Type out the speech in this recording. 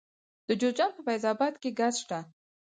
د جوزجان په فیض اباد کې ګاز شته.